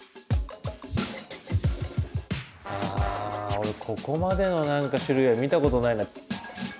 ああ俺ここまでの種類は見たことないな。